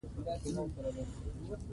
سیلانی ځایونه د افغانستان د سیلګرۍ برخه ده.